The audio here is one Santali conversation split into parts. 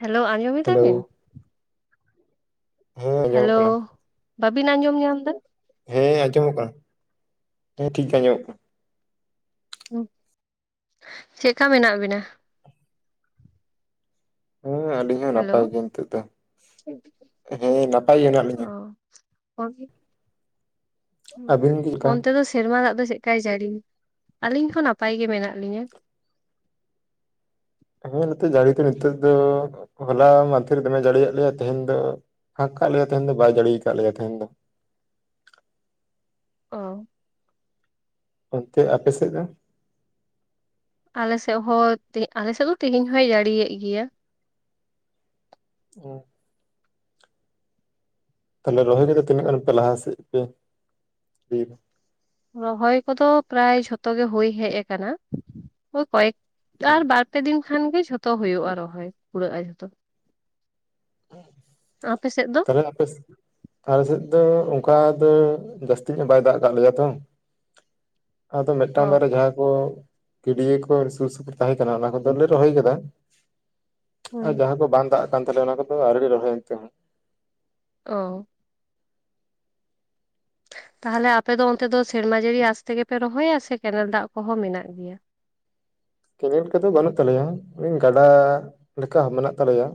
ᱦᱮᱞᱚ ᱟᱸᱡᱚᱢᱮ ᱫᱟ ᱦᱮᱞᱳ ᱵᱤᱱ? ᱦᱮᱸ ᱟᱸᱡᱚᱢᱚᱜ ᱠᱟᱱᱟ ᱦᱮᱞᱳᱣ ᱵᱟᱵᱤᱱ ᱟᱸᱡᱚᱢ ᱧᱟᱢ ᱫᱟ᱾ ᱦᱮᱸ ᱟᱸᱡᱚᱢᱚᱜ ᱠᱟᱱᱟ ᱦᱮᱸ ᱴᱷᱤᱠ ᱜᱮ ᱟᱸᱡᱚᱢᱚᱜ ᱠᱟᱱᱟ᱾ [inaudible] ᱪᱮᱫᱠᱟ ᱢᱮᱱᱟᱜ ᱵᱤᱱᱟ? ᱦᱮᱸ ᱟᱹᱞᱤᱧ ᱦᱚᱸ ᱦᱮᱞᱳ ᱱᱟᱯᱟᱭ ᱜᱮ ᱱᱤᱛᱚᱜ ᱫᱚ ᱦᱮᱸ ᱱᱟᱯᱟᱭ ᱜᱮ ᱦᱮᱱᱟᱜ ᱞᱤᱧᱟᱹ᱾ ᱚ ᱦᱮ ᱟᱹᱵᱤᱱ ᱜᱮ ᱞᱮᱠᱟ ᱚᱱᱛᱮ ᱫᱚ ᱥᱮᱨᱢᱟ ᱫᱟᱜ ᱫᱚ ᱪᱮᱫᱠᱟᱭ ᱡᱟᱹᱲᱤ ᱟᱹᱞᱤᱧ ᱦᱚᱸ ᱱᱟᱯᱟᱭ ᱜᱮ ᱢᱮᱱᱟᱜ ᱞᱤᱧᱟᱹ᱾ ᱦᱮ ᱱᱛᱮ ᱡᱟᱹᱲᱤ ᱫᱚ ᱱᱤᱛᱚᱜ ᱫᱚ ᱦᱚᱞᱟ ᱢᱟᱫᱷᱮ ᱨᱮ ᱫᱚᱢᱮ ᱡᱟᱹᱲᱤᱭᱟᱜ ᱞᱮᱭᱟ ᱛᱮᱦᱮᱧ ᱫᱚ ᱦᱟᱸᱠ ᱠᱟᱜ ᱞᱮᱭᱟ ᱛᱮᱦᱮᱸᱱ ᱫᱚ ᱵᱟᱭ ᱡᱟᱲᱮ ᱟᱠᱟᱫ ᱞᱮᱭᱟ ᱛᱮᱦᱮᱸᱱ ᱫᱚ᱾ ᱚᱻ ᱚᱱᱛᱮ ᱟᱯᱮ ᱥᱮᱫ ᱫᱚ? ᱟᱞᱮᱥᱮᱫ ᱦᱚᱸ ᱛᱮᱦ... ᱟᱞᱮᱥᱮᱫ ᱫᱚ ᱛᱮᱦᱮᱸᱧ ᱦᱚᱭ ᱡᱟᱹᱲᱤᱭᱮᱫ ᱜᱮᱭᱟ᱾ ᱩᱸᱻ᱾ ᱛᱟᱦᱚᱞᱮ ᱨᱚᱦᱚᱭ ᱠᱟᱛᱮ ᱛᱤᱱᱟᱹᱜ ᱜᱟᱱ ᱯᱮ ᱞᱟᱦᱟᱥᱮᱫ ᱯᱮ ᱨᱚᱦᱚᱭ ᱠᱚᱫᱚ ᱯᱨᱟᱭ ᱡᱷᱚᱛᱚ ᱜᱮ ᱦᱳᱭ ᱦᱮᱡ ᱟᱠᱟᱱᱟ ᱳᱭ ᱠᱚᱭᱮᱠᱴᱟ ᱟᱨ ᱵᱟᱨ ᱯᱮ ᱫᱤᱱ ᱠᱷᱟᱱ ᱜᱮ ᱡᱷᱚᱛᱚ ᱦᱩᱭᱳᱜᱼᱟ ᱨᱚᱦᱚᱭ ᱠᱩᱲᱟᱹᱜᱼᱟ ᱡᱷᱚᱛᱚ᱾ ᱟᱯᱮ ᱥᱮᱫ ᱫᱚ? ᱨᱚᱦᱭ ᱟᱯᱮᱥ ᱟᱞᱮ ᱥᱮᱫ ᱫᱚ ᱚᱱᱠᱟ ᱫᱚ ᱡᱟᱹᱥᱛᱤ ᱧᱚᱜ ᱵᱟᱭ ᱫᱟᱜ ᱠᱟᱜ ᱞᱮᱭᱟ ᱛᱚ᱾ ᱟᱫᱚ ᱚ ᱢᱤᱫᱴᱟᱝ ᱵᱟᱨᱮᱭᱟ ᱡᱟᱦᱟᱸ ᱠᱚ ᱜᱤᱰᱭᱟᱹ ᱠᱚ ᱥᱩᱨ ᱥᱩᱯᱩᱨ ᱛᱟᱦᱮᱸ ᱠᱟᱱᱟ ᱚᱱᱟ ᱠᱚᱫᱚᱞᱮ ᱨᱚᱦᱚᱭ ᱟᱠᱟᱫᱟ᱾ ᱟᱨ ᱦᱩᱸ ᱡᱟᱦᱟᱸ ᱠᱚ ᱵᱟᱝ ᱫᱟᱜ ᱠᱟᱱ ᱛᱟᱞᱮᱭᱟ ᱚᱱᱟ ᱠᱚᱫᱚ ᱟᱣᱨᱤᱞᱮ ᱨᱚᱦᱚᱭᱟ ᱱᱤᱛᱚᱜ ᱦᱚᱸ᱾ ᱚᱻ ᱛᱟᱦᱞᱮ ᱟᱯᱮ ᱫᱚ ᱚᱱᱛᱮ ᱫᱚ ᱥᱮᱨᱢᱟ ᱡᱟᱹᱲᱤ ᱟᱥᱛᱮᱜᱮᱯᱮ ᱨᱚᱦᱚᱭᱟ ᱥᱮ ᱠᱮᱱᱮᱞ ᱫᱟᱜ ᱠᱚᱦᱚᱸ ᱢᱮᱱᱟᱜ ᱜᱮᱭᱟ? ᱠᱮᱱᱮᱞ ᱠᱚᱫᱚ ᱵᱟᱹᱱᱩᱜ ᱛᱟᱞᱮᱭᱟ ᱟᱻ.. ᱜᱟᱰᱟ ᱞᱮᱠᱟ ᱢᱮᱱᱟᱜ ᱛᱟᱞᱮᱭᱟᱮ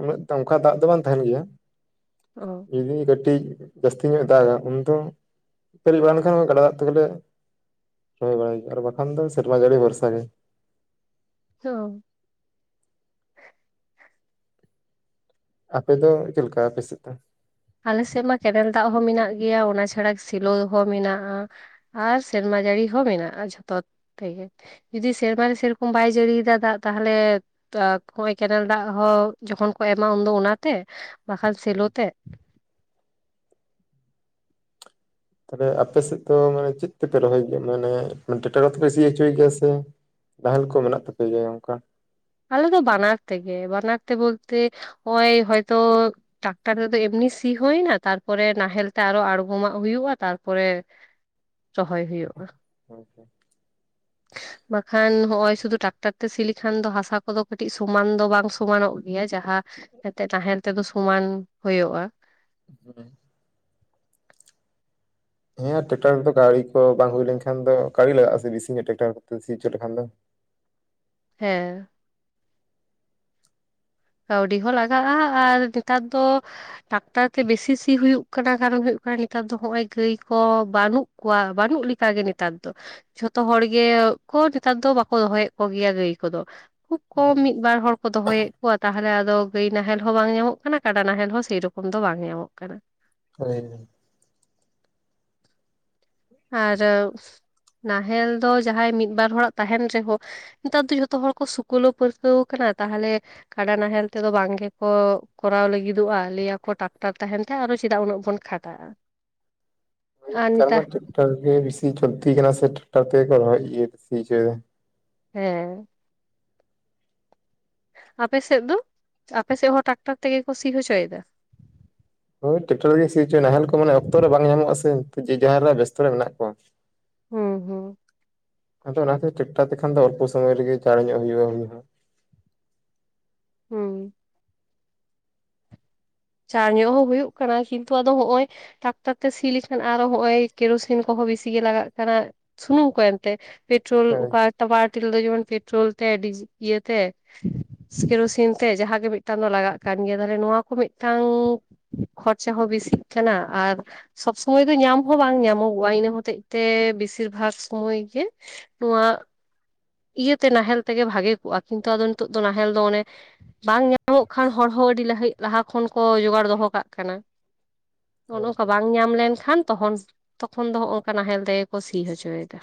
ᱩᱱᱟᱹᱜ ᱚᱱᱠᱟ ᱫᱟᱜ ᱫᱚ ᱵᱟᱝ ᱛᱟᱦᱮᱸᱱ ᱜᱮᱭᱟ᱾ ᱚᱻ ᱡᱩᱫᱤ ᱠᱟᱹᱴᱤᱡ ᱡᱟᱹᱥᱛᱤ ᱧᱚᱜ ᱫᱟᱜᱟ ᱩᱱ ᱫᱚ ᱯᱮᱨᱮᱡ ᱵᱟᱲᱟ ᱞᱮᱠᱷᱟᱱ ᱜᱟᱰᱟ ᱫᱟᱜ ᱛᱮᱜᱮᱞᱮ ᱨᱚᱦᱚᱭ ᱵᱟᱲᱟᱭ ᱜᱮ ᱟᱨ ᱵᱟᱠᱷᱟᱱ ᱫᱚ ᱥᱮᱨᱢᱟ ᱡᱟᱹᱲᱤ ᱵᱷᱚᱨᱥᱟ ᱜᱮ᱾ ᱦᱚ ᱟᱯᱮ ᱫᱚ ᱪᱮᱫ ᱞᱮᱠᱟ ᱟᱯᱮᱮᱥ ᱫᱚ? ᱟᱞᱮᱥᱮᱫ ᱢᱟ ᱠᱮᱱᱮᱞ ᱫᱟᱜ ᱦᱚᱸ ᱢᱮᱱᱟᱜ ᱜᱮᱭᱟ ᱚᱱᱟ ᱪᱷᱟᱲᱟ ᱥᱮᱞᱳ ᱦᱚᱸ ᱢᱮᱱᱟᱜᱼᱟ᱾ ᱟᱨ ᱥᱮᱨᱢᱟ ᱡᱟᱹᱲᱤ ᱦᱚᱸ ᱢᱮᱱᱟᱜᱼᱟ ᱡᱷᱚᱛᱚ ᱛᱮᱜᱮ ᱡᱩᱫᱤ ᱥᱮᱨᱢᱟ ᱨᱮ ᱥᱮᱨᱚᱠᱚᱢ ᱵᱟᱭ ᱡᱟᱹᱲᱤᱭᱮᱫᱟ ᱫᱟᱜ ᱛᱟᱦᱚᱞᱮ ᱦᱳᱭ ᱠᱮᱱᱮᱞ ᱫᱟᱜ ᱦᱚᱸ ᱡᱚᱠᱷᱚᱱ ᱠᱚ ᱮᱢᱟ ᱩᱱᱫᱚ ᱚᱱᱟᱛᱮ ᱵᱟᱠᱷᱟᱱ ᱥᱮᱞᱚ ᱛᱮ᱾ ᱛᱟᱦᱚᱞᱮ ᱟᱯᱮ ᱥᱮᱫ ᱫᱚ ᱢᱟᱱᱮ ᱪᱮᱫ ᱛᱮᱯᱮ ᱨᱚᱦᱚᱭ ᱜᱮᱭᱟ᱾ ᱢᱟᱱᱮ ᱴᱨᱮᱠᱴᱚᱨ ᱠᱚᱛᱮ ᱯᱮ ᱥᱤ ᱦᱚᱪᱚᱭ ᱜᱮᱭᱟ ᱥᱮ? ᱱᱟᱦᱮᱞ ᱠᱚ ᱢᱮᱱᱟᱜ ᱛᱟᱯᱮ ᱜᱮᱭᱟ ᱚᱱᱠᱟ? ᱟᱞᱮ ᱫᱚ ᱵᱟᱱᱟᱨ ᱛᱮᱜᱮ ᱵᱟᱱᱟᱨ ᱛᱮ ᱵᱚᱞᱛᱮ ᱚᱭ ᱦᱚᱭᱛᱚ ᱴᱟᱠᱴᱟᱨ ᱨᱮᱫᱚ ᱮᱢᱱᱤ ᱥᱤ ᱦᱩᱭᱱᱟ ᱛᱟᱨᱯᱚᱨᱮ ᱱᱟᱦᱮᱞ ᱛᱮ ᱟᱨᱚ ᱟᱬᱜᱚᱢᱟᱜ ᱦᱩᱭᱩᱜᱼᱟ ᱛᱟᱨᱯᱚᱨᱮ ᱨᱚᱦᱚᱭ ᱦᱳᱭᱳᱜᱼᱟ᱾ [unintelligible] ᱵᱟᱠᱷᱟᱱ ᱦᱚᱜᱼᱚᱭ ᱥᱩᱫᱷᱩ ᱴᱨᱟᱠᱴᱟᱨ ᱛᱮ ᱥᱤ ᱞᱮᱠᱷᱟᱱ ᱫᱚ ᱦᱟᱥᱟ ᱠᱚᱫᱚ ᱠᱟᱹᱴᱤᱡ ᱥᱚᱢᱟᱱ ᱫᱚ ᱵᱟᱝ ᱥᱚᱢᱟᱱᱚᱜ ᱜᱮᱭᱟ ᱡᱟᱦᱟᱸ ᱮᱱᱛᱮᱜ ᱛᱟᱦᱮᱸᱜ ᱛᱮᱫᱚ ᱥᱚᱢᱟᱱ ᱦᱳᱭᱳᱜᱼᱟ᱾ ᱦᱮᱸ ᱴᱨᱟᱠᱴᱟᱨ ᱫᱚ ᱜᱟᱹᱲᱤ ᱠᱚ ᱵᱟᱝ ᱦᱩᱭ ᱞᱮᱱᱠᱷᱟᱱ ᱫᱚ ᱜᱟᱹᱲᱤ ᱞᱟᱜᱟᱜᱼᱟ ᱥᱮ ᱵᱮᱥᱤ ᱧᱚᱜᱼᱟ ᱴᱨᱟᱠᱴᱟᱨ ᱠᱚᱛᱮ ᱥᱤ ᱪᱚ ᱞᱮᱠᱷᱟᱱ ᱫᱚ᱾ ᱦᱮᱸ ᱠᱟᱹᱣᱰᱤ ᱦᱚᱸ ᱞᱟᱜᱟᱜᱼᱟ ᱟᱨ ᱱᱮᱛᱟᱨ ᱫᱚ ᱴᱟᱠᱴᱟᱨ ᱛᱮ ᱵᱮᱥᱤ ᱥᱤ ᱦᱩᱭᱩᱜ ᱠᱟᱱᱟ ᱠᱟᱨᱚᱱ ᱦᱩᱭᱩᱜ ᱠᱟᱱᱟ ᱱᱮᱛᱟᱨ ᱫᱚ ᱦᱚᱜᱼᱚᱭ ᱜᱟᱹᱭ ᱠᱚ ᱵᱟᱹᱱᱩᱜ ᱠᱚᱣᱟᱜ ᱵᱟᱹᱱᱩᱜ ᱞᱮᱠᱟᱜ ᱜᱮ ᱱᱮᱛᱟᱨ ᱫᱚ᱾ ᱡᱷᱚᱛᱚ ᱦᱚᱲ ᱜᱮ ᱠᱚ ᱱᱮᱛᱟᱨ ᱫᱚ ᱵᱟᱠᱚ ᱫᱚᱦᱚᱭᱮᱫ ᱠᱚᱜᱮᱭᱟ ᱜᱟᱹᱭ ᱠᱚᱫᱚ᱾ ᱠᱚ ᱢᱤᱫ ᱵᱟᱨ ᱦᱚᱲ ᱠᱚ ᱫᱚᱦᱚᱭᱮᱫ ᱠᱚᱣᱟ ᱛᱟᱦᱚᱞᱮ ᱟᱫᱚ ᱜᱟᱹᱭ ᱱᱟᱦᱮᱞ ᱦᱚᱸ ᱵᱟᱝ ᱧᱟᱢᱚᱜ ᱠᱟᱱᱟ᱾ ᱠᱟᱰᱟ ᱱᱟᱦᱮᱞ ᱦᱚᱸ ᱥᱮᱨᱚᱠᱚᱢ ᱫᱚ ᱵᱟᱝ ᱧᱟᱢᱚᱜ ᱠᱟᱱᱟ᱾ [unintelligible] ᱟᱨ ᱱᱟᱦᱮᱞ ᱫᱚ ᱡᱟᱦᱟᱸᱭ ᱢᱤᱫ ᱵᱟᱨ ᱦᱚᱲᱟᱜ ᱛᱟᱦᱮᱱ ᱨᱮᱦᱚᱸ ᱱᱮᱛᱟᱨ ᱫᱚ ᱡᱷᱚᱛᱚ ᱦᱚᱲ ᱠᱚ ᱥᱩᱠᱞᱳ ᱯᱟᱹᱨᱠᱟᱹᱣ ᱠᱟᱱᱟ ᱛᱟᱦᱚᱞᱮ ᱠᱟᱰᱟ ᱱᱟᱦᱮᱞ ᱛᱮᱫᱚ ᱵᱟᱝ ᱜᱮᱠᱚ ᱠᱚᱨᱟᱣ ᱞᱟᱹᱜᱤᱫᱚᱜᱼᱟ, ᱞᱟᱸᱭ ᱟᱠᱚ ᱴᱟᱠᱴᱟᱨ ᱛᱟᱦᱮᱱ ᱟᱨᱚ ᱪᱮᱫᱟᱜ ᱩᱱᱟᱹᱜ ᱵᱚᱱ ᱠᱷᱟᱴᱟᱜᱼᱟ᱾ [inaudible] ᱟ ᱱᱤᱛᱟ ᱴᱨᱟᱠᱟᱨ ᱜᱮ ᱵᱤᱥᱤ ᱪᱚᱞᱛᱤ ᱠᱟᱱᱟ ᱥᱮ ᱴᱨᱟᱠᱴᱟᱨ ᱛᱮ [unintelligible] ᱦᱮᱸ ᱟᱯᱮᱥᱮᱫ ᱫᱚ᱾ ᱟᱯᱮᱥᱮᱫ ᱦᱚᱸ ᱴᱨᱟᱠᱴᱟᱨ ᱛᱮᱜᱮ ᱠᱚ ᱥᱤ ᱦᱚᱪᱚᱭᱮᱫᱟ ᱦᱳᱭ ᱴᱨᱟᱠᱴᱚᱨ ᱨᱮᱜᱮ ᱥᱩ ᱪᱚ, ᱱᱟᱦᱮᱞ ᱠᱚ ᱢᱟᱱᱮ ᱚᱠᱛᱚ ᱨᱮ ᱵᱟᱝ ᱧᱟᱢᱚᱜᱼᱟ ᱥᱮ ᱡᱟᱦᱟᱸ ᱵᱮᱥᱛᱚ ᱨᱮ ᱢᱮᱱᱟᱜ ᱠᱚᱣᱟ᱾ ᱦᱩᱸ ᱦᱩᱸ ᱟᱫᱚ ᱚᱱᱟᱛᱮ ᱴᱟᱠᱴᱟᱨ ᱛᱮᱠᱷᱟᱱ ᱫᱚ ᱚᱞᱯᱚ ᱥᱚᱢᱚᱭ ᱨᱮᱜᱮ ᱪᱟᱲ ᱧᱚᱜ ᱦᱩᱭᱩᱜ-ᱟ᱾ ᱦᱩᱸ ᱪᱟᱲ ᱧᱚᱜ ᱦᱚᱸ ᱦᱩᱭᱩᱜ ᱠᱟᱱᱟ ᱠᱤᱱᱛᱩ ᱟᱫ ᱦᱚᱜᱼᱚᱭ ᱴᱟᱠᱴᱟᱨ ᱛᱮ ᱥᱤ ᱞᱮᱠᱷᱟᱱ ᱟᱨᱚ ᱦᱚᱜᱼᱚᱭ ᱠᱮᱨᱳᱥᱤᱱ ᱠᱚᱦᱚᱸ ᱵᱮᱥᱤ ᱜᱮ ᱞᱟᱜᱟᱜ ᱠᱟᱱᱟ᱾ ᱥᱩᱱᱩᱢ ᱚᱠᱚᱭᱮ ᱮᱢᱛᱮ? ᱯᱮᱴᱨᱳᱞ ᱦᱳᱭ ᱚᱠᱟ [unintelligible] ᱫᱚ ᱡᱮᱢᱚᱱ ᱯᱮᱴᱨᱳᱞ ᱛᱮ ᱰᱤᱡᱮᱞ ᱤᱭᱟᱹᱛᱮ ᱠᱮᱨᱳᱥᱤᱱ ᱛᱮ ᱡᱟᱦᱟᱸ ᱜᱮ ᱢᱤᱫᱴᱟᱝ ᱫᱚ ᱞᱟᱜᱟᱜ ᱠᱟᱱ ᱜᱮᱭᱟ᱾ ᱛᱟᱞᱚᱦᱮ ᱱᱚᱣᱟ ᱠᱚ ᱢᱤᱫᱴᱟᱝ ᱠᱷᱚᱨᱪᱟ ᱦᱚᱸ ᱵᱮᱥᱤ ᱠᱟᱱᱟ ᱟᱨ ᱥᱚᱵᱽ ᱥᱩᱚᱢᱚᱭ ᱫᱚ ᱧᱟᱢ ᱦᱚᱸ ᱵᱟᱝ ᱧᱟᱢᱚᱜᱚᱜᱼᱟ, ᱤᱱᱟᱹ ᱦᱚᱛᱮᱜ ᱛᱮ ᱵᱮᱥᱤᱨ ᱵᱷᱟᱜ ᱥᱚᱢᱚᱭ ᱜᱮ ᱱᱚᱣᱟ ᱤᱭᱟᱹᱛᱮ ᱱᱟᱦᱮᱞ ᱛᱮᱜᱮ ᱵᱷᱟᱜᱮ ᱠᱚᱜᱼᱟ, ᱠᱤᱱᱛᱩ ᱟᱫᱚ ᱱᱤᱛᱚᱜ ᱫᱚ ᱱᱟᱦᱮᱞ ᱫᱚ ᱚᱱᱮ ᱵᱟᱝ ᱧᱟᱢᱚᱜ ᱠᱷᱟᱱ, ᱦᱚᱲᱦᱚᱸ ᱟᱹᱰᱤ ᱞᱟᱦᱤᱡ ᱞᱟᱦᱟ ᱠᱷᱚᱱ ᱠᱚ ᱡᱚᱜᱟᱲ ᱫᱚᱦᱚ ᱠᱟᱜ ᱠᱟᱱᱟ᱾ ᱱᱚᱜᱚ ᱦᱳᱭ ᱱᱚᱝᱠᱟ ᱵᱟᱝ ᱧᱟᱢ ᱞᱮᱱᱠᱷᱟᱱ ᱛᱚᱠᱷᱚᱱ ᱫᱚᱚᱱᱠᱟ ᱱᱟᱦᱮᱞ ᱛᱮᱜᱮ ᱠᱚ ᱥᱤ ᱦᱚᱪᱚᱭᱮᱫᱟ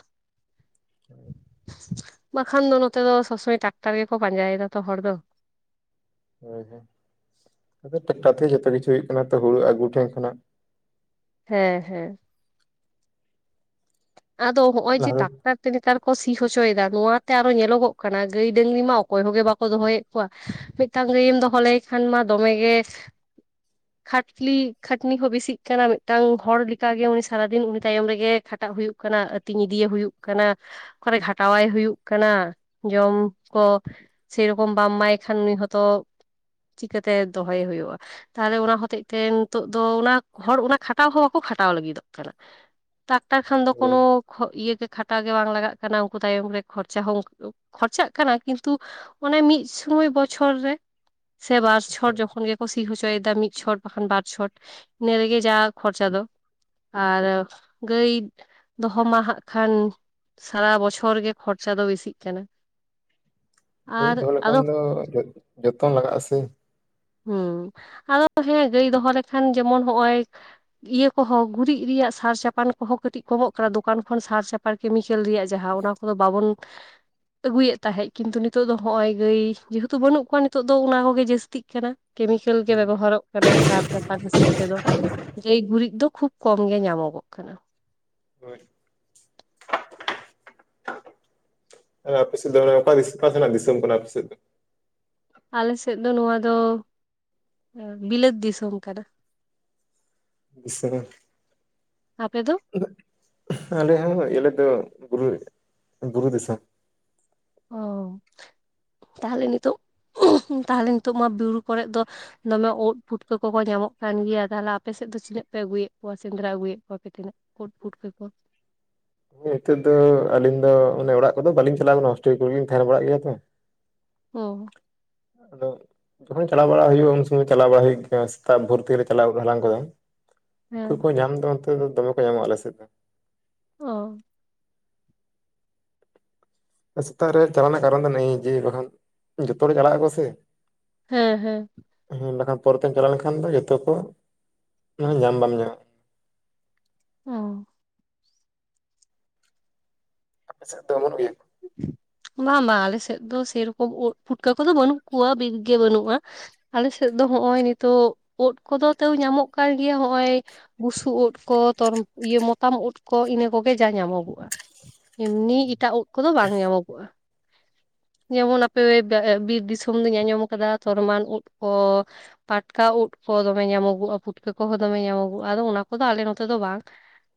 [inaudible] ᱵᱟᱠᱷᱟᱱ ᱫᱚ ᱱᱚᱛᱮ ᱫᱚ ᱥᱚᱵᱽ ᱥᱚᱢᱚᱭ ᱴᱟᱠᱴᱟᱨ ᱜᱮᱠᱚ ᱯᱟᱸᱡᱟᱭᱮᱫᱟ ᱛᱚ ᱦᱚᱲ ᱫᱚ᱾ ᱦᱳᱭ ᱦᱳᱭ ᱟᱫᱚ ᱴᱨᱟᱠᱴᱟᱨ ᱛᱮᱜᱮ ᱡᱚᱛᱚ ᱠᱤᱪᱷᱩ ᱦᱩᱭᱩᱜᱜ ᱠᱟᱱᱟ ᱛᱚ ᱦᱩᱲᱩ ᱟᱹᱜᱩ ᱴᱷᱮᱱ ᱠᱷᱚᱱᱟᱜ ᱦᱮᱸ ᱦᱮᱸ ᱟᱫᱚ ᱦᱚᱜᱼᱚᱭ ᱡᱮ ᱞᱟᱦᱟ ᱴᱟᱠᱴᱟᱨ ᱛᱮ ᱱᱮᱛᱟᱨ ᱠᱚ ᱥᱤ ᱦᱚᱪᱚᱭᱮᱫᱟ ᱱᱚᱣᱟᱛᱮ ᱟᱨᱚ ᱧᱮᱞᱚᱜᱚᱜ ᱠᱟᱱᱟ ᱜᱟᱹᱭ ᱰᱟᱹᱝᱨᱤ ᱢᱟ ᱚᱠᱚᱭ ᱦᱚᱸᱜᱮ ᱵᱟᱠᱚ ᱫᱚᱦᱚᱭᱮᱫ ᱠᱚᱣᱟ ᱢᱤᱫᱴᱟᱝ ᱜᱟᱹᱭᱮᱢ ᱫᱚᱦᱚ ᱞᱟᱹᱭ ᱠᱷᱟᱱ ᱢᱟ ᱫᱚᱢᱮᱜᱮ [inaudible] ᱠᱷᱟᱴᱞᱤ ᱠᱷᱟᱹᱴᱱᱤ ᱠᱚ ᱵᱤᱥᱤᱜ ᱠᱟᱱᱟ ᱢᱤᱫᱴᱟᱝ ᱦᱚᱲ ᱞᱮᱠᱟᱜᱮ ᱩᱱᱤ ᱥᱟᱨᱟ ᱫᱤᱱ ᱩᱱᱤ ᱛᱟᱭᱚᱢ ᱨᱮᱜᱮ ᱠᱷᱟᱴᱼᱼ ᱚᱠᱟᱴᱟᱜ ᱦᱩᱭᱩᱜ ᱠᱟᱱᱟ ᱟᱹᱛᱤᱧ ᱤᱫᱤᱭᱮ ᱦᱩᱭᱩᱜ ᱠᱟᱱᱟᱼᱼ ᱠᱚᱨᱮ ᱜᱷᱟᱴᱟᱣᱟᱭ ᱦᱩᱭᱩᱜ ᱠᱟᱱᱟ ᱡᱚᱢ ᱠᱚᱼᱼ ᱥᱮᱨᱚᱠᱚᱢ ᱵᱟᱢ ᱮᱢᱟᱭ ᱠᱷᱟᱱ ᱚᱱᱤ ᱦᱚᱸᱛᱚ ᱪᱤᱠᱟᱹᱛᱮ ᱫᱚᱦᱚᱭᱮ ᱦᱩᱭᱩᱜᱼᱟ ᱛᱟᱦᱚᱞᱮ ᱚᱱᱟ ᱦᱚᱛᱮᱡ ᱛᱮ ᱱᱤᱛᱚᱜ ᱫᱚ ᱚᱱᱟ ᱦᱚᱲ ᱚᱱᱟ ᱠᱷᱟᱴᱟᱣ ᱦᱚᱸ ᱵᱟᱠᱚ ᱠᱷᱟᱴᱟᱣ ᱞᱟᱹᱜᱤᱫᱚᱜ ᱠᱟᱱᱟ᱾ ᱠᱷᱟᱴᱟᱣ ᱠᱷᱟᱱ ᱫᱚ ᱠᱳᱱᱚ ᱦᱳᱭ ᱠᱷᱚ ᱤᱭᱟᱹᱜᱮ ᱠᱷᱟᱴᱟᱣ ᱜᱮ ᱵᱟᱝ ᱞᱟᱜᱟᱜ ᱠᱟᱱᱟ ᱩᱱᱠᱩ ᱛᱟᱭᱚᱢ ᱨᱮ ᱠᱷᱚᱨᱪᱟ ᱦᱚᱸ ᱠᱷᱚᱨᱪᱟᱜ ᱠᱟᱱᱟ ᱠᱤᱱᱛᱩ ᱚᱱᱮ ᱢᱤᱫ ᱥᱩᱢᱚᱭ ᱵᱚᱪᱷᱚᱨ ᱨᱮ ᱥᱮ ᱵᱟᱨᱪᱷᱚᱨ ᱡᱚᱠᱷᱚᱱ ᱜᱮᱼᱼ ᱠᱚ ᱥᱤ ᱦᱚᱪᱚ ᱭᱮᱫᱟ ᱢᱤᱫ ᱪᱷᱚᱴ ᱵᱟᱠᱷᱟᱱ ᱵᱟᱨ ᱪᱷᱚᱴ ᱤᱱᱟᱹ ᱨᱮᱜᱮ ᱡᱟ ᱠᱷᱚᱨᱪᱟ ᱫᱚ᱾ ᱟᱨᱚ ᱜᱟᱹᱭ ᱫᱚᱦᱚ ᱢᱟ ᱦᱟᱸᱟᱜ ᱠᱷᱟᱱ ᱥᱟᱨᱟ ᱵᱚᱪᱷᱚᱨ ᱜᱮ ᱠᱷᱚᱨᱪᱟ ᱫᱚ ᱵᱮᱥᱤᱜ ᱠᱟᱱᱟ᱾ ᱦᱳᱭ ᱟᱨ ᱫᱚᱦᱚ ᱞᱮᱠᱷᱟᱱ ᱟᱫᱚ ᱫᱚ ᱡᱚᱛᱚ ᱞᱟᱜᱟᱜᱼᱟ ᱥᱮ ᱦᱩᱸ ᱟᱫᱚ ᱦᱮᱸ ᱜᱟᱹᱭ ᱫᱚᱦᱚ ᱞᱮᱠᱷᱟᱱ ᱡᱮᱢᱚᱱ ᱱᱚᱜᱼᱚᱭᱼᱼ ᱤᱭᱟᱹ ᱠᱚᱦᱚᱸ ᱜᱩᱨᱤᱡ ᱨᱮᱭᱟᱜ ᱥᱟᱨ ᱪᱟᱯᱟᱱ ᱠᱚᱦᱚᱸ ᱠᱟᱹᱴᱤᱡ ᱠᱚᱢᱚᱜ ᱠᱟᱱᱟ ᱫᱚᱠᱟᱱ ᱠᱷᱚᱱ ᱥᱟᱨ ᱪᱟᱯ ᱥᱟᱨ ᱠᱮᱢᱤᱠᱮᱞ ᱨᱮᱭᱟᱜ ᱡᱟᱦᱟᱸ ᱚᱱᱟ ᱠᱚᱫᱚ ᱵᱟᱵᱚᱱᱼᱼ [unintelligible] ᱟᱹᱜᱩᱭᱮᱫ ᱛᱟᱦᱮᱸᱜ ᱠᱤᱱᱛᱩ ᱱᱤᱛᱚᱜ ᱫᱚ ᱦᱚᱜᱼᱚᱭ ᱜᱟᱹᱭ ᱡᱮᱦᱮᱛᱩ ᱵᱟᱹᱱᱩᱜ ᱠᱚᱣᱟ ᱱᱤᱛᱚᱜ ᱫᱚ ᱚᱱᱟ ᱠᱚᱜᱮ ᱡᱟᱹᱥᱛᱤᱜ ᱠᱟᱱᱟ ᱠᱮᱢᱤᱠᱮᱞ ᱜᱮ ᱵᱮᱵᱚᱦᱟᱨᱚᱜ ᱠᱟᱱᱟ ᱥᱟᱫ ᱪᱟᱯᱟᱱ ᱦᱤᱥᱟᱹᱵ ᱛᱮᱫᱚ᱾ ᱜᱟᱹᱭ ᱜᱩᱨᱤᱡ ᱫᱚ ᱠᱷᱩᱵ ᱠᱚᱢ ᱜᱮ ᱧᱟᱢᱚᱜᱚᱜ ᱠᱟᱱᱟ᱾ ᱦᱳᱭ ᱟᱯᱮ ᱥᱮᱫ ᱫᱟᱬᱟ ᱚᱠᱟ ᱚᱠᱟᱥᱮᱱᱟᱜ ᱫᱤᱥᱚᱢ ᱠᱟᱱᱟ ᱟᱯᱮ ᱥᱮᱫ ᱫᱚ? ᱟᱞᱮᱥᱮᱫ ᱫᱚ ᱱᱚᱣᱟ ᱫᱚ ᱵᱤᱞᱟᱹᱛ ᱫᱤᱥᱚᱢ ᱠᱟᱱᱟ᱾ ᱵᱤᱥᱨᱟ ᱟᱯᱮ ᱫᱚ? ᱟᱞᱮ ᱦᱚᱸ ᱟᱞᱮ ᱫᱚ ᱵᱩᱨᱩ ᱵᱩᱨᱩ ᱫᱤᱥᱚᱢ ᱚ [inaudible] ᱛᱟᱦᱚᱞᱮ ᱱᱤᱛᱚᱜ ᱛᱟᱦᱚᱞᱮ ᱱᱤᱛᱚᱜ ᱢᱟ ᱵᱩᱨᱩ ᱠᱚᱨᱮᱫ ᱫᱚ ᱫᱚᱢᱮ ᱳᱫ ᱯᱷᱩᱴᱠᱟᱹ ᱠᱚᱠᱚ ᱧᱟᱢᱚᱜ ᱠᱟᱱ ᱜᱮᱭᱟ᱾ᱛᱟᱦᱚᱞᱮ ᱟᱯᱮᱥᱮᱫ ᱫᱚ ᱛᱤᱱᱟᱹᱜ ᱯᱮ ᱟᱹᱜᱩᱭᱮᱫ ᱠᱚᱣᱟ, ᱥᱮᱸᱫᱽᱨᱟ ᱟᱹᱜᱩᱭᱮᱫ ᱠᱚᱣᱟ ᱯᱮ ᱛᱤᱱᱟᱹᱜ ᱳᱫ ᱯᱷᱩᱴᱠᱟᱹ ᱠᱚ ᱱᱤᱛᱳ ᱫᱚ ᱟᱹᱞᱤᱧ ᱫᱚ ᱚᱱᱮ ᱚᱲᱟᱜ ᱠᱚᱫᱚ ᱵᱟᱞᱤᱧ ᱪᱟᱞᱟᱜᱣ ᱠᱟᱱᱟ ᱦᱚᱥᱴᱮᱞ ᱠᱚᱨᱮᱜᱞᱤᱧ ᱛᱟᱦᱮᱸᱱ ᱵᱟᱲᱟᱜ ᱜᱮᱭᱟ ᱛᱚ ᱚ ᱟᱫᱚ ᱡᱚᱠᱷᱚᱱ ᱪᱟᱞᱟᱣ ᱵᱟᱲᱟ ᱦᱩᱭᱩᱜᱼᱟ ᱩᱱ ᱥᱚᱢᱚᱭ ᱪᱟᱞᱟᱣ ᱵᱟᱲᱟ ᱦᱩᱭᱩᱜ ᱜᱮ ᱥᱮᱛᱟᱜ ᱵᱷᱚᱨᱛᱤ ᱨᱮ ᱪᱟᱞᱟᱣ ᱦᱟᱞᱟᱝ ᱠᱚᱫᱚ ᱩᱱᱠᱩ ᱦᱮᱸ ᱠᱚ ᱧᱟᱢ ᱫᱚ ᱱᱚᱱᱚᱛ ᱫᱚᱢᱮ ᱠᱚ ᱧᱟᱢᱚᱜᱼᱟ ᱟᱞᱮ ᱥᱮᱫ ᱫᱚ ᱚ ᱥᱮᱛᱟᱜ ᱨᱮ ᱪᱟᱞᱟᱜ ᱨᱮᱱᱟᱜ ᱠᱟᱨᱚᱱ ᱫᱚ ᱱᱼ ᱡᱮ ᱵᱟᱠᱷᱟᱱ ᱡᱚᱛᱚ ᱦᱚᱲ ᱪᱟᱞᱟᱜ ᱟᱠᱚ ᱥᱮ ᱦᱮᱸ ᱦᱮᱸ ᱦᱮᱸ ᱵᱟᱠᱷᱟᱱ ᱯᱚᱨᱮᱛᱮᱢ ᱪᱟᱞᱟᱣ ᱞᱮᱱᱠᱷᱟᱱ ᱫᱚ ᱡᱚᱛᱚ ᱠᱚ ᱢᱟᱱᱮ ᱧᱟᱢ ᱵᱟᱢ ᱧᱟᱢᱟ ᱚ ᱟᱯᱮᱥᱮᱫ ᱫᱚ ᱚᱢᱚᱱᱚᱜ ᱜᱮᱭᱟᱹ ᱵᱟᱝ ᱵᱟᱝ ᱟᱞᱮ ᱥᱮᱫ ᱫᱚ ᱥᱮᱨᱚᱠᱚᱢ ᱳᱫ ᱯᱩᱴᱠᱟᱹ ᱠᱚᱫᱚ ᱵᱟᱹᱱᱩᱜ ᱠᱚᱣᱟ ᱵᱤᱨ ᱜᱮ ᱵᱟᱹᱱᱩᱜᱼᱟ ᱟᱞᱮᱥᱮᱫ ᱫᱚ ᱦᱚᱜ ᱚᱭ ᱱᱤᱛᱚᱜ ᱳᱫ ᱠᱚᱫᱚ ᱛᱟᱹᱣ ᱧᱟᱢᱚᱜ ᱠᱟᱱ ᱜᱮᱭᱟ ᱦᱚᱜ ᱚᱭ ᱵᱩᱥᱩᱵ ᱩᱫ ᱠᱚ ᱛᱚᱨ ᱤᱭᱟᱹ ᱢᱚᱛᱟᱢ ᱩᱫ ᱠᱚ ᱤᱱᱟᱹ ᱠᱚᱜᱮ ᱡᱟ ᱧᱟᱢᱚᱜᱚᱜᱼᱟ ᱮᱢᱱᱤ ᱮᱴᱟᱜ ᱳᱫ ᱠᱚᱫᱚ ᱵᱟᱝ ᱧᱟᱢᱚᱜᱚᱜᱼᱟ [inaudible] ᱡᱮᱢᱚᱱ ᱟᱯᱮ ᱵᱤᱨ ᱫᱤᱥᱚᱢ ᱫᱚᱧ ᱟᱸᱡᱚᱢ ᱟᱠᱟᱫᱟ ᱛᱚᱨᱚᱢᱟᱱ ᱩᱫ ᱠᱚ ᱯᱟᱴᱠᱟ ᱩᱫ ᱠᱚ ᱫᱚᱢᱮ ᱧᱟᱢᱚᱜᱚᱜᱼᱟ ᱯᱩᱴᱠᱟᱹ ᱠᱚᱦᱚᱸ ᱫᱚᱢᱮ ᱧᱟᱢᱚᱜᱚᱜᱼᱟ ᱟᱫᱚ ᱚᱱᱟ ᱠᱚᱫᱚ ᱟᱞᱮ ᱱᱚᱛᱮ ᱫᱚ ᱵᱟᱝ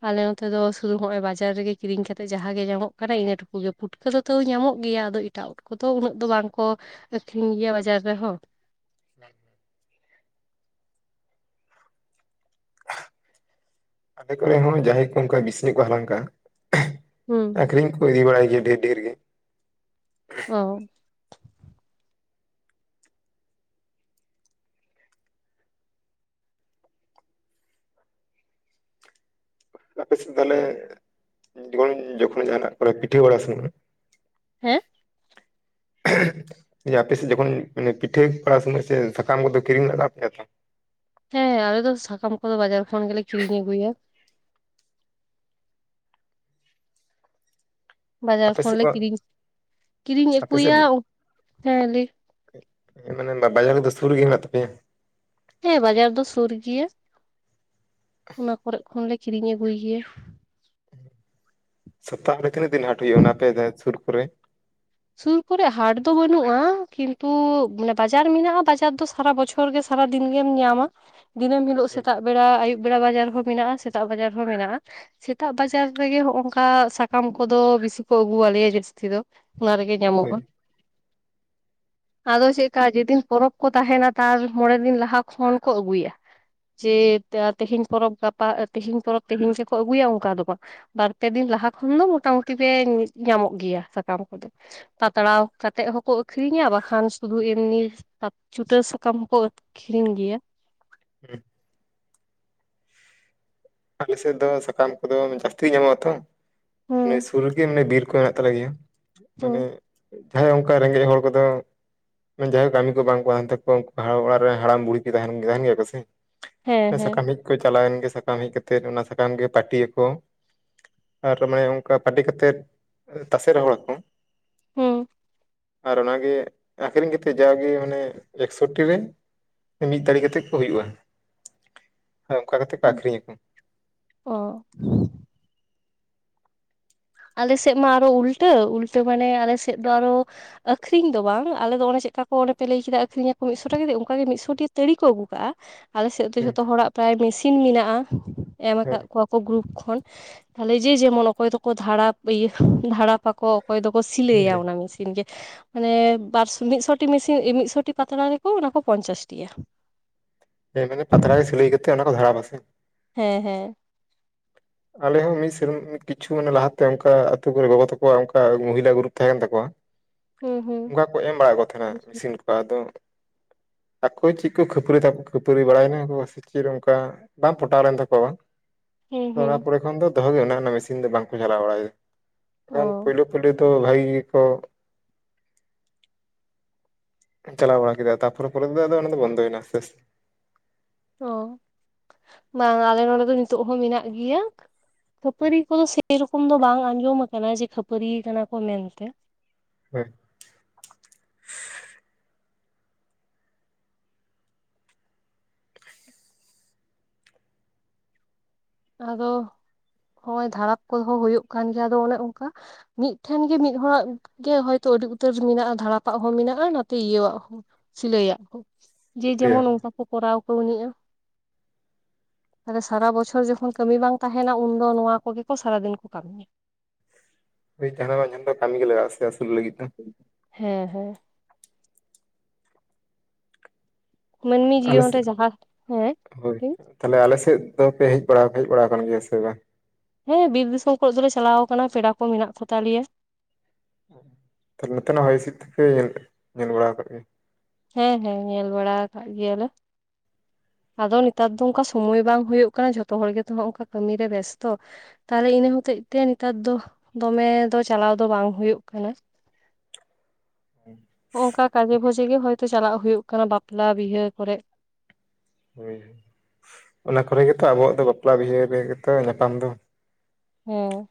ᱟᱞᱮ ᱱᱚᱛᱮ ᱫᱚ ᱥᱩᱫᱩ ᱦᱚᱸᱜ ᱚᱭ ᱵᱟᱡᱟᱨ ᱨᱮᱜᱮ ᱠᱤᱨᱤᱧ ᱠᱟᱛᱮ ᱡᱟᱦᱟᱸ ᱜᱮ ᱧᱟᱢᱚᱜ ᱠᱟᱱᱟ ᱤᱱᱟᱹ ᱴᱩᱠᱩ ᱯᱩᱴᱠᱟᱹ ᱫᱚ ᱛᱟᱹᱣ ᱧᱟᱢᱚᱜ ᱜᱮᱭᱟ ᱟᱫᱚ ᱮᱴᱟᱜ ᱩᱫ ᱠᱚᱫᱚ ᱩᱱᱟᱹᱜ ᱫᱚ ᱵᱟᱝ ᱠᱚ ᱟᱠᱷᱨᱤᱧ ᱜᱮᱭᱟ ᱵᱟᱡᱟᱨ ᱨᱮᱦᱚᱸ [inaudible] ᱟᱞᱮ ᱠᱚᱨᱮ ᱦᱚᱸ ᱡᱟᱦᱟᱸᱭ ᱠᱚ ᱚᱱᱠᱟ ᱵᱤᱥᱤ ᱠᱚ ᱦᱟᱞᱟᱝ ᱠᱟᱜ-ᱟ ᱦᱩᱸ ᱟᱠᱷᱨᱤᱧ ᱠᱚ ᱤᱫᱤ ᱵᱟᱲᱟᱭ ᱜᱮᱭᱟ ᱰᱷᱮᱨ ᱰᱷᱮᱨ ᱜᱮ ᱚ ᱟᱯᱮ ᱥᱮᱫ ᱛᱟᱦᱚᱞᱮ ᱡᱚᱱ ᱡᱚᱠᱷᱚᱱ ᱡᱟᱦᱟᱱᱟᱜ ᱠᱚᱨᱮ ᱯᱤᱴᱷᱟᱹ ᱵᱟᱲᱟ [inaudible] ᱦᱮᱸ [inaudible] ᱟᱯᱮᱥᱮᱫ ᱡᱚᱠᱷᱚᱱ ᱯᱤᱴᱷᱟᱹ ᱠᱚᱨᱟᱣ ᱥᱚᱢᱚᱭ ᱥᱮ ᱥᱟᱠᱟᱢ ᱠᱚᱫᱚ ᱠᱤᱨᱤᱧ ᱞᱟᱜᱟᱣ ᱯᱮᱭᱟ ᱛᱚ ᱦᱮᱸ ᱟᱞᱮ ᱫᱚ ᱥᱟᱠᱟᱢ ᱠᱚᱫᱚ ᱵᱟᱡᱟᱨ ᱠᱷᱚᱱ ᱜᱮᱞᱮ ᱠᱤᱨᱤᱧ ᱟᱹᱜᱩᱭᱟ ᱵᱟᱡᱟᱨ ᱟᱯᱮ ᱥᱮᱫ ᱠᱷᱚᱱᱞᱮ ᱠᱚ ᱠᱤᱨᱤᱧ ᱠᱤᱨᱤᱧ ᱟᱹᱜᱩᱭᱟ ᱦᱮᱸᱞᱮ ᱮ ᱢᱟᱱᱮ ᱵᱟᱡᱟᱨ ᱫᱚ ᱥᱩᱨ ᱨᱮᱜᱮ ᱦᱮᱱᱟᱜ ᱛᱟᱯᱮᱭᱟ ᱦᱮᱸ ᱵᱟᱡᱟᱨ ᱫᱚ ᱥᱩᱨ ᱜᱮᱭᱟ ᱚᱱᱟ ᱠᱚᱨᱮ ᱠᱷᱚᱱᱞᱮ ᱠᱤᱨᱤᱧ ᱟᱹᱜᱩᱭ ᱜᱮᱭᱟ ᱥᱚᱯᱛᱟᱦᱚ ᱨᱮ ᱛᱤᱱᱟᱹᱜ ᱫᱤᱱ ᱦᱟᱴ ᱦᱩᱭᱩᱜᱼᱟ ᱚᱱᱟ ᱛᱮ ᱥᱩᱨ ᱠᱚᱨᱮ ᱥᱩᱨ ᱠᱚᱨᱮ ᱦᱟᱰᱟ ᱫᱚ ᱵᱟᱹᱱᱩᱜᱼᱟ ᱠᱤᱱᱛᱩ ᱵᱟᱡᱟᱨ ᱢᱮᱱᱟᱜᱼᱟ ᱵᱟᱡᱟᱨ ᱫᱚ ᱥᱟᱨᱟ ᱵᱚᱪᱷᱚᱨ [inaudible] ᱥᱟᱨᱟ ᱫᱤᱱ ᱜᱮᱢ ᱧᱟᱢᱟ ᱫᱤᱱᱟᱹᱢ ᱦᱤᱞᱳᱜ ᱥᱮᱛᱟᱜ ᱵᱮᱲᱟ ᱟᱹᱭᱩᱵ [inaudible] ᱵᱮᱲᱟ ᱵᱟᱡᱟᱨ ᱦᱚᱸ ᱢᱮᱱᱟᱜᱼᱟ ᱥᱮᱛᱟᱜ ᱵᱟᱡᱟᱨ ᱦᱚᱸ ᱢᱮᱱᱟᱜᱼᱟ ᱥᱮᱛᱟᱜ ᱵᱟᱡᱟᱨ ᱨᱮᱜᱮ ᱦᱚᱸᱜ ᱱᱚᱝᱠᱟ ᱥᱟᱠᱟᱢ ᱠᱚᱫᱚ ᱵᱮᱥᱤ ᱠᱚ ᱟᱹᱜᱩᱣᱟᱞᱮᱭᱟ ᱡᱟᱹᱥᱛᱤ ᱫᱚ ᱚᱱᱟ ᱨᱮᱜᱮ ᱧᱟᱢᱚᱜᱼᱟ [inaudible] ᱟᱫᱚ ᱪᱮᱫᱠᱟ ᱡᱮᱫᱤᱱ ᱯᱚᱨᱚᱵᱽ ᱠᱚ ᱛᱟᱦᱮᱱᱟ ᱛᱟᱨ ᱢᱚᱲᱮ ᱫᱤᱱ ᱞᱟᱦᱟ ᱠᱷᱚᱱ ᱠᱚ ᱟᱹᱜᱩᱭᱟᱹ ᱡᱮ ᱛᱮᱦᱤᱧ ᱯᱚᱨᱚᱵᱽ ᱜᱟᱯᱟ ᱛᱮᱦᱤᱧ ᱯᱚᱨᱚᱵ ᱛᱮᱦᱤᱧ ᱜᱮᱠᱚ ᱟᱹᱜᱩᱭᱟ ᱚᱱᱠᱟ ᱫᱚ ᱵᱟᱝ ᱵᱟᱨᱯᱮ ᱫᱤᱱ ᱞᱟᱦᱟ ᱠᱷᱚᱱ ᱫᱚ ᱢᱚᱴᱟᱢᱩᱴᱤ ᱯᱮ ᱧᱟᱢᱚᱜ ᱜᱮᱭᱟ ᱥᱟᱠᱟᱢ ᱠᱚᱫᱚ ᱯᱟᱛᱲᱟᱣ ᱠᱟᱛᱮ ᱦᱚᱸᱠᱚ ᱟᱹᱷᱨᱤᱧᱟ᱾ ᱵᱟᱠᱷᱟᱱ ᱥᱩᱫᱷᱩ ᱮᱢᱱᱤ ᱪᱩᱴᱟᱹ ᱥᱟᱠᱟᱢ ᱦᱚᱸᱠᱚ ᱟᱹᱠᱷᱨᱤᱧ ᱜᱮᱭᱟ᱾ ᱦᱩᱸ ᱟᱞᱮ ᱥᱮᱫ ᱫᱚ ᱥᱟᱠᱟᱢ ᱠᱚᱫᱚ ᱡᱟᱹᱥᱛᱤ ᱜᱮ ᱧᱟᱢᱚᱜ ᱟᱛᱚ᱾ ᱦᱩᱸ ᱥᱩᱨ ᱜᱮ ᱢᱟᱱᱮ ᱵᱤᱨ ᱢᱮᱱᱟᱜ ᱛᱟᱞᱮ ᱜᱮᱭᱟ᱾ ᱦᱩᱸ ᱢᱟᱱᱮ ᱡᱟᱦᱟᱸᱭ ᱚᱱᱠᱟ ᱨᱮᱸᱜᱮᱡ ᱦᱚᱲ ᱠᱚᱫᱚ ᱢᱟᱱᱮ ᱡᱟᱦᱟᱸᱭ ᱠᱚ ᱠᱟᱹᱢᱤ ᱠᱚ ᱵᱟᱝ ᱠᱚ ᱛᱟᱦᱮᱱ ᱛᱟᱠᱚᱣᱟ᱾ ᱩᱱᱠᱩ ᱚᱲᱟᱜ ᱨᱮ ᱦᱟᱲᱟᱢ ᱵᱩᱲᱦᱤ ᱠᱚ ᱛᱟᱦᱮᱱ, ᱛᱟᱦᱮᱱ ᱜᱮᱭᱟ ᱠᱚ ᱥᱮ᱾ ᱦᱮᱸ ᱦᱮᱸ ᱥᱟᱠᱟᱢ ᱦᱮᱡ ᱠᱚ ᱪᱟᱞᱟᱣᱮᱱ ᱜᱮ, ᱥᱟᱠᱟᱢ ᱦᱮᱡ ᱠᱟᱛᱮ ᱚᱱᱟ ᱥᱟᱠᱟᱢ ᱜᱮ ᱯᱟᱹᱴᱤᱭᱟᱠᱚ᱾ ᱟᱨ ᱢᱟᱱᱮ ᱚᱱᱠᱟ ᱯᱟᱴᱤ ᱠᱟᱛᱮᱫ, ᱛᱟᱥᱮ ᱨᱚᱦᱚᱲ ᱟᱠᱚ ᱾ ᱦᱩᱸ ᱟᱨ ᱚᱱᱟᱜᱮ ᱟᱠᱷᱨᱤᱧ ᱠᱟᱛᱮ ᱡᱟᱣᱟᱜᱮ ᱢᱟᱱᱮ ᱮᱠᱥᱚᱴᱤ ᱨᱮ ᱢᱤᱫ ᱛᱟᱲᱤ ᱠᱟᱛᱮ ᱠᱚ ᱦᱩᱭᱩᱜᱼᱟ᱾ ᱟ ᱚᱱᱠᱟ ᱠᱟᱛᱮ ᱠᱚ ᱟᱠᱷᱨᱤᱧ ᱟᱠᱚ᱾ ᱚ ᱟᱞᱮ ᱥᱮᱜ ᱢᱟ ᱟᱨᱦᱚᱸ ᱩᱞᱴᱟᱹ, ᱩᱞᱴᱟᱹ ᱢᱟᱱᱮ ᱟᱞᱮ ᱥᱮᱫ ᱫᱚ ᱟᱨᱚ ᱟᱹᱠᱷᱨᱤᱧ ᱫᱚ ᱵᱟᱝ, ᱟᱞᱮ ᱫᱚ ᱚᱱᱮ ᱪᱮᱫᱠᱟ ᱠᱚ ᱚᱱᱮ ᱯᱮ ᱞᱟᱹᱭ ᱠᱮᱫᱟ ᱟᱹᱠᱷᱨᱤᱧᱟ ᱠᱚ᱾ ᱢᱤᱫ ᱥᱚ ᱴᱤ ᱛᱟᱹᱲᱤ ᱠᱚ ᱟᱹᱜᱩ ᱠᱟᱜᱼᱟ᱾ ᱟᱞᱮ ᱥᱮᱫ ᱫᱚ ᱦᱮᱸ ᱡᱷᱚᱛᱚ ᱦᱚᱲᱟᱜ ᱯᱨᱟᱭ ᱢᱮᱥᱤᱱ ᱢᱮᱱᱟᱜᱼᱟ᱾ ᱮᱢ ᱦᱮᱸ ᱟᱠᱟᱜ ᱠᱚᱣᱟ ᱠᱚ ᱜᱨᱩᱯ ᱠᱷᱚᱱ ᱛᱟᱦᱚᱞᱮ ᱡᱮ ᱡᱮᱢᱚᱱ, ᱚᱠᱚᱭ ᱫᱚᱠᱚ ᱫᱷᱟᱨᱟᱯ ᱤᱭᱟᱹ, ᱫᱷᱟᱨᱟᱯ ᱟᱠᱚ᱾ ᱚᱠᱚᱭ ᱫᱚᱠᱚ ᱥᱤᱞᱟᱹᱭᱟ ᱦᱮᱸ ᱚᱱᱟ ᱢᱮᱥᱤᱱ ᱜᱮ᱾ ᱢᱟᱱᱮ ᱵᱟᱨᱚ [inaudible] ᱢᱤᱫ ᱥᱚᱴᱤ ᱢᱤᱥᱤᱱ, ᱢᱤᱫ ᱥᱚᱴᱤ ᱯᱟᱛᱲᱟ ᱨᱮᱠᱚ ᱚᱱᱟ ᱠᱚ ᱯᱚᱧᱪᱟᱥ ᱴᱤᱭᱟ᱾ ᱦᱮᱸ ᱢᱟᱱᱮ ᱯᱟᱛᱲᱟ ᱜᱮ ᱥᱤᱞᱟᱹᱭ ᱠᱟᱛᱮ ᱚᱱᱟ ᱠᱚ ᱫᱷᱟᱲᱟᱯ-ᱟ ᱥᱮ᱾ ᱦᱮᱸ ᱦᱮᱸ ᱟᱞᱮ ᱦᱚᱸ ᱢᱤᱫ ᱥᱮᱨᱢᱟ ᱠᱤᱪᱷᱩ ᱢᱟᱱᱮ ᱞᱟᱦᱟᱛᱮ ᱚᱱᱠᱟ ᱟᱛᱳ ᱠᱚᱨᱮ ᱜᱚᱜᱚ ᱛᱟᱠᱚᱣᱟ, ᱚᱱᱠᱟ ᱢᱚᱦᱤᱞᱟ ᱜᱩᱨᱩᱯ ᱛᱟᱦᱮᱸ ᱠᱟᱱ ᱛᱟᱠᱚᱣᱟ᱾ ᱦᱩᱸ ᱦᱩᱸ ᱚᱱᱠᱟ ᱠᱚ ᱮᱢ ᱵᱟᱲᱟ ᱠᱚ ᱛᱟᱦᱮᱸ ᱱᱟ ᱢᱮᱥᱤᱱ ᱠᱚ ᱾ ᱟᱫᱚ ᱟᱠᱚ ᱪᱤᱫ ᱠᱚ ᱠᱷᱟᱹᱯᱟᱹᱨᱤ [unintelligible] ᱠᱷᱟᱹᱯᱟᱹᱨᱤ ᱵᱟᱲᱟᱭ ᱱᱟ, ᱥᱮ ᱪᱮᱫ ᱚᱱᱠᱟ ᱵᱟᱝ ᱯᱚᱴᱟᱣ ᱞᱮᱱ ᱛᱟᱠᱚᱣᱟ ᱾ ᱦᱩᱸ ᱦᱩᱸ ᱚᱱᱟ ᱯᱚᱨᱮ ᱠᱷᱚᱱ ᱫᱚ ᱫᱚᱦᱚ ᱜᱮ ᱢᱮᱱᱟᱜᱼᱟ ᱢᱮᱥᱤᱱ ᱫᱚ ᱵᱟᱝ ᱠᱚ ᱪᱟᱞᱟᱣ ᱵᱟᱲᱟᱭ ᱮᱫᱟ᱾ ᱵᱟᱝ ᱚ ᱠᱷᱟᱱ ᱯᱳᱭᱞᱳ ᱯᱩᱭᱞᱩ ᱫᱚ ᱵᱷᱟᱜᱮ ᱜᱮ ᱠᱚ ᱪᱟᱞᱟᱣ ᱵᱟᱲᱟ ᱠᱮᱫᱟ᱾ ᱛᱟᱨᱯᱚᱨ ᱯᱚᱨᱮ ᱫᱚ ᱟᱫᱚ ᱚᱱᱟ ᱫᱚ ᱵᱚᱱᱫᱚᱭ ᱮᱱᱟ ᱟᱥᱛᱮ ᱟᱥᱛᱮ ᱚ [inaudible] ᱵᱟᱝ, ᱟᱞᱮ ᱱᱚᱸᱰᱮ ᱫᱚ ᱱᱤᱛᱚᱜ ᱦᱚᱸ ᱢᱮᱱᱟᱜ ᱜᱮᱭᱟ᱾ ᱠᱷᱟᱹᱯᱟᱹᱨᱤ ᱠᱚᱫᱚ ᱥᱮ ᱨᱚᱠᱚᱢ ᱫᱚ ᱵᱟᱝ ᱟᱸᱡᱚᱢ ᱟᱠᱟᱱᱟ ᱡᱮ ᱠᱷᱟᱹᱯᱟᱹᱨᱤ ᱠᱟᱱᱟ ᱠᱚ ᱢᱮᱱᱛᱮ᱾ ᱦᱳᱭ ᱟᱫᱚ, ᱦᱚᱸ ᱚᱭ ᱫᱷᱟᱲᱟᱯ ᱠᱚᱦᱚᱸ ᱦᱳᱭᱳᱜ ᱠᱟᱱ ᱜᱮᱭᱟ, ᱟᱫᱚ ᱚᱱᱮ ᱚᱱᱠᱟ᱾ ᱢᱤᱫᱴᱷᱮᱱ ᱜᱮ ᱢᱤᱫ ᱦᱚᱲᱟᱜ ᱜᱮ ᱦᱚᱭᱛᱚ ᱟᱹᱰᱤ ᱩᱛᱟᱹᱨ ᱢᱮᱱᱟᱜᱼᱟ᱾ ᱫᱷᱟᱲᱟᱯᱟᱜ ᱦᱚᱸ ᱢᱮᱱᱟᱜᱼᱟ ᱱᱟᱛᱮ ᱤᱭᱟᱹᱣᱟᱜ ᱦᱚᱸ᱾ ᱥᱤᱞᱟᱹᱭᱟᱜ ᱦᱚᱸ᱾ ᱡᱮ ᱞᱟᱹᱭᱟ ᱡᱮᱢᱚᱱ ᱚᱱᱠᱟ ᱠᱚ ᱠᱚᱨᱟᱣ ᱠᱟᱣ ᱱᱤᱡᱼᱟ᱾ ᱟᱫᱚ ᱥᱟᱨᱟ ᱵᱚᱪᱷᱚᱨ ᱡᱚᱠᱷᱚᱱ ᱡᱚᱠᱷᱚᱱ ᱠᱟᱹᱢᱤ ᱵᱟᱝ ᱛᱟᱦᱮᱱᱟ ᱩᱱᱫᱚ ᱱᱚᱣᱟ ᱠᱚᱜᱮ ᱠᱚ ᱥᱟᱨᱟᱫᱤᱱ ᱠᱚ ᱠᱟᱹᱢᱤᱭᱟ᱾ ᱡᱟᱦᱟᱱᱟᱜ ᱵᱟᱝ ᱡᱟᱦᱟᱱᱟᱜ ᱫᱚ ᱠᱟᱹᱢᱤ ᱜᱮ ᱞᱟᱜᱟᱜᱼᱟ ᱥᱮ ᱟᱥᱩᱞ ᱞᱟᱹᱜᱤᱫ ᱫᱚ ᱾ ᱦᱮᱸ ᱦᱮᱸ᱾ ᱢᱟᱹᱱᱢᱤ ᱟᱞᱮ ᱡᱤᱭᱚᱱ ᱨᱮ ᱡᱟᱦᱟᱸ, ᱦᱮᱸ ᱦᱮᱸ ᱛᱟᱦᱞᱮ ᱟᱞᱮ ᱥᱮᱫ ᱫᱚᱯᱮ ᱦᱮᱡ ᱵᱟᱲᱟ ᱦᱮᱡ ᱵᱟᱲᱟ ᱟᱠᱟᱱ ᱜᱮᱭᱟ ᱥᱮ ᱵᱟᱝ? ᱦᱮᱸ ᱵᱤᱨ ᱫᱤᱥᱚᱢ ᱠᱚᱨᱮ ᱫᱚᱞᱮ ᱪᱟᱞᱟᱣ ᱠᱟᱱᱟ ᱾ ᱯᱮᱲᱟ ᱠᱚ ᱢᱮᱱᱟᱜ ᱠᱚ ᱛᱟᱞᱮᱭᱟ ᱾ ᱛᱟᱦᱚᱞᱮ ᱱᱚᱛᱮᱱᱟ ᱦᱚᱭ ᱦᱤᱥᱤᱫ ᱛᱮᱯᱮ ᱧᱮᱞ ᱵᱟᱲᱟ ᱟᱠᱟᱫ ᱜᱮᱭᱟ᱾ ᱦᱮᱸ ᱦᱮᱸ ᱧᱮᱞ ᱵᱟᱲᱟ ᱟᱠᱟᱫ ᱜᱮᱭᱟ ᱞᱮ᱾ ᱟᱫᱚ ᱱᱮᱛᱟᱨ ᱫᱚ ᱚᱱᱠᱟ ᱥᱚᱢᱚᱭ ᱵᱟᱝ ᱦᱳᱭᱳᱜ ᱠᱟᱱᱟ ᱡᱷᱚᱛᱚ ᱦᱚᱲ ᱜᱮᱛᱚ ᱦᱚᱜ ᱚᱝᱠᱟ ᱠᱟᱹᱢᱤᱨᱮ ᱵᱮᱥᱛᱚ᱾ ᱛᱟᱦᱚᱞᱮ ᱤᱱᱟᱹ ᱦᱚᱛᱮᱛᱮ ᱱᱮᱛᱟᱨ ᱫᱚ ᱫᱚᱢᱮ ᱫᱚ ᱪᱟᱞᱟᱣ ᱫᱚ ᱵᱟᱝ ᱦᱳᱭᱳᱜ ᱠᱟᱱᱟ ᱾ ᱦᱚᱸᱜ ᱚᱝᱠᱟ ᱠᱟᱡᱮ ᱵᱷᱚᱡᱮ ᱜᱮ ᱦᱳᱭᱛᱚ ᱪᱟᱞᱟᱜ ᱦᱳᱭᱳᱜ ᱠᱟᱱᱟ ᱵᱟᱯᱞᱟ ᱵᱤᱦᱟᱹ ᱠᱚᱨᱮ᱾ ᱦᱳᱭ, ᱚᱱᱟ ᱠᱚᱨᱮ ᱜᱮᱛᱚ ᱟᱵᱚᱣᱟᱜ ᱫᱚ ᱵᱟᱯᱞᱟ ᱵᱤᱦᱟᱹ ᱨᱮᱜᱮᱛᱚ ᱧᱟᱯᱟᱢ ᱫᱚ᱾ ᱦᱮᱸ